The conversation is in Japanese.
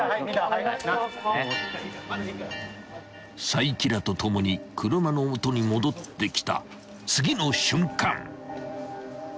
［齋木らと共に車の元に戻ってきた次の瞬間］